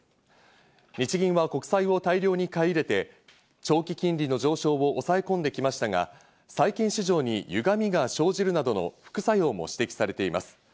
日銀は国債を大量に買い入れて長期金利の上昇を抑え込んできましたが、債券市場に歪みが生じるなどの副作用も指摘されています。